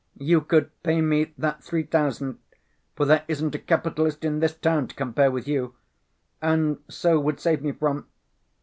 You could pay me that three thousand, for there isn't a capitalist in this town to compare with you, and so would save me from